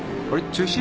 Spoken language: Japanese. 中止？